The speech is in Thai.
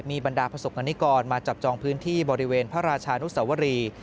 บรรดาประสบกรณิกรมาจับจองพื้นที่บริเวณพระราชานุสวรี